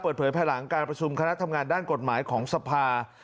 ภายหลังการประชุมคณะทำงานด้านกฎหมายของสภา